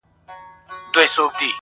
دا ځلي غواړم لېونی سم د هغې مینه کي